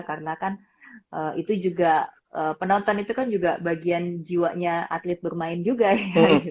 karena kan itu juga penonton itu kan juga bagian jiwanya atlet bermain juga ya